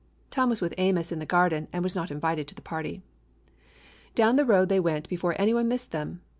Tom was with Amos in the garden and was not invited to the party. Down the road they went before any one missed them.